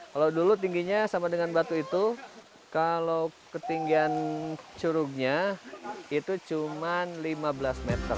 kalau dulu tingginya sama dengan batu itu kalau ketinggian curugnya itu cuma lima belas meter